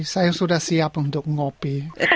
saya sudah siap untuk ngopi